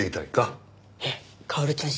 えっ薫ちゃん